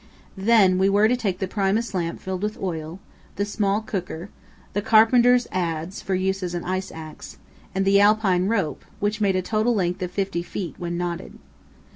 Then we were to take the Primus lamp filled with oil, the small cooker, the carpenter's adze (for use as an ice axe), and the alpine rope, which made a total length of fifty feet when knotted.